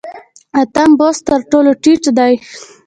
اتم بست تر ټولو ټیټ دی